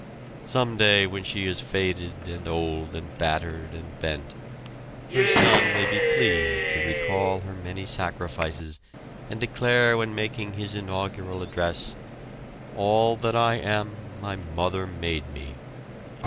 Some day when she is faded and old and battered and bent, her son may be pleased to recall her many sacrifices and declare when making his inaugural address: "All that I am my mother made me!"